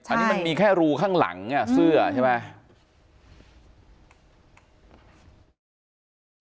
อันนี้มันมีแค่รูข้างหลังเสื้อใช่ไหม